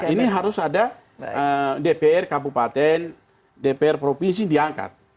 ini harus ada dpr kabupaten dpr provinsi diangkat